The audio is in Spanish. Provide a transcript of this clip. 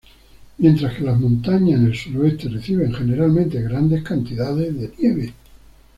Mientras que las montañas en el suroeste reciben generalmente grandes cantidades de nieve.